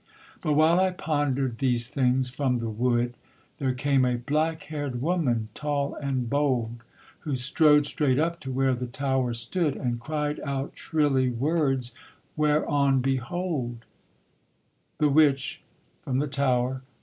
But while I ponder'd these things, from the wood There came a black hair'd woman, tall and bold, Who strode straight up to where the tower stood, And cried out shrilly words, whereon behold THE WITCH, from the tower.